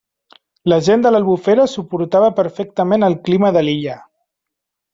La gent de l'Albufera suportava perfectament el clima de l'illa.